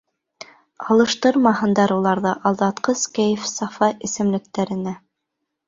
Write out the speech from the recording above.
Алыштырмаһындар уларҙы алдатҡыс кәйеф-сафа эсемлектәренә.